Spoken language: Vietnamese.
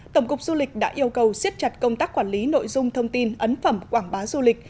tổng cục du lịch đã yêu cầu siết chặt công tác quản lý nội dung thông tin ấn phẩm quảng bá du lịch